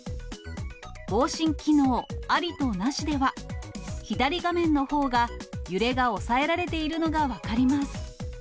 防振機能ありとなしでは、左画面のほうが揺れが抑えられているのが分かります。